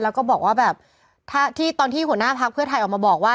แล้วก็บอกว่าแบบที่ตอนที่หัวหน้าพักเพื่อไทยออกมาบอกว่า